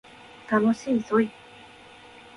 楽しいぞい